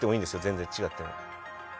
全然違っても。